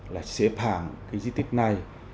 là xếp hàng cái di tích này